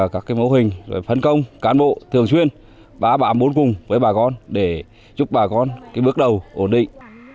các mô hình phân công cán bộ thường xuyên ba bạ bốn cùng với bà con để giúp bà con bước đầu ổn định